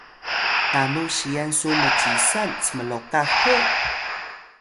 nanu siyan su mcisan smlokah hi?